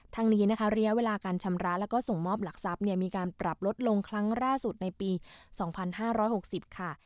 ทั้งนี้นะคะระยะเวลาการชำระแล้วก็ส่งมอบหลักทรัพย์มีการปรับลดลงครั้งล่าสุดในปี๒๕๖๐ค่ะ